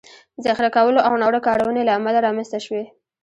ذخیره کولو او ناوړه کارونې له امله رامنځ ته شوي